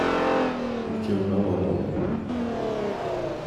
Porque eu não amo ele.